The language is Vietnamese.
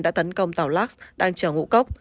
đã tấn công tàu lux đang trở ngũ cốc